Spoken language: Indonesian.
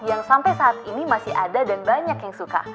yang sampai saat ini masih ada dan banyak yang suka